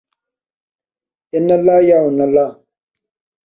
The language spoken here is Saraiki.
اِن اللہ یا اُن اللہ